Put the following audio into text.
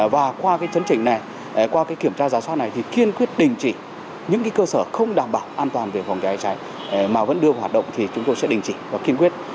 và qua cái chấn trình này qua cái kiểm tra gia soát này thì kiên quyết đình chỉ những cái cơ sở không đảm bảo an toàn về phòng cháy hay cháy mà vẫn đưa vào hoạt động thì chúng tôi sẽ đình chỉ và kiên quyết